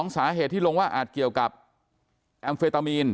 สาเหตุที่ลงว่าอาจเกี่ยวกับแอมเฟตามีน